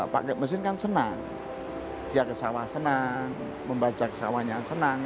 pakai mesin kan senang dia ke sawah senang membaca ke sawahnya senang